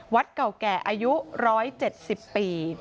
เก่าแก่อายุ๑๗๐ปี